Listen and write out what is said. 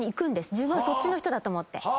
自分はそっちの人だと思って。